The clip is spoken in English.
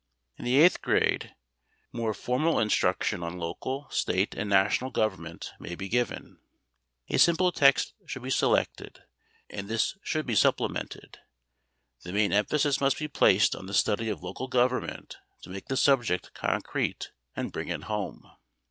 In the eighth grade more formal instruction on local, State and national government may be given. A simple text should be selected, and this should be supplemented. The main emphasis must be placed on the study of local government to make the subject concrete and bring it home.